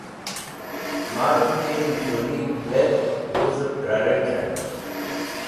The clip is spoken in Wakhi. Marẽt ki nishunig̃h dhet wuzẽb dra rechẽm.